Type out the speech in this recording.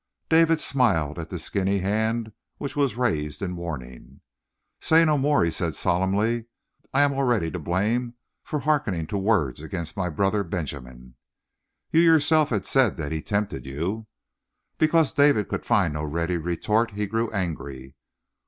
But David smiled at the skinny hand which was raised in warning. "Say no more," he said solemnly. "I am already to blame for hearkening to words against my brother Benjamin." "You yourself had said that he tempted you." Because David could find no ready retort he grew angry.